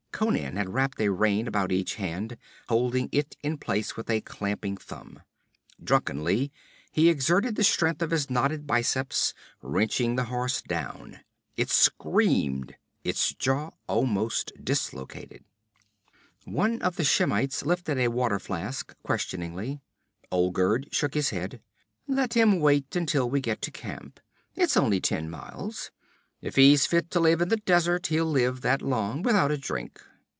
Conan had wrapped a rein about each hand, holding it in place with a clamping thumb. Drunkenly he exerted the strength of his knotted biceps, wrenching the horse down; it screamed, its jaw almost dislocated. One of the Shemites lifted a water flask questioningly. Olgerd shook his head. 'Let him wait until we get to camp. It's only ten miles. If he's fit to live in the desert he'll live that long without a drink.'